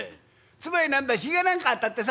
つまり何だ髭なんかあたってさ